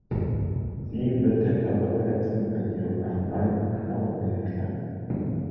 Sie wird der Körperverletzung an ihrem Nachbarn Knorr angeklagt.